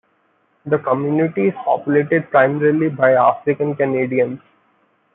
The community is populated primarily by African Canadians.